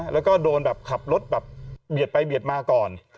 แล้วก็โดนแบบขับรถแบบเบียดไปเบียดมาก่อน